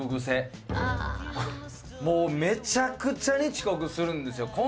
もうめちゃくちゃに遅刻するんですよ。